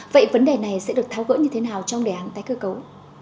vậy vấn đề này sẽ được tháo gỡ như thế nào trong đề án tái cơ cấu